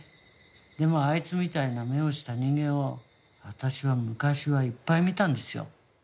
でもあいつみたいな目をした人間を私は昔はいっぱい見たんですよ。